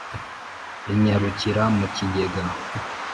inyarukira mu kigega,